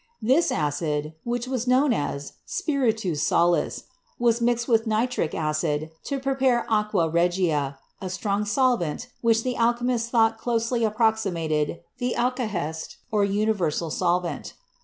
This acid, which was known as "spiritus salis," was mixed with nitric acid to prepare "aqua regia," a strong solvent which the alchemists thought closely approximated to the "alkahest," or uni versal solvent.